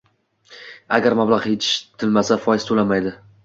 Agar mablag 'ishlatilmasa, foiz to'lanmaydi! 😎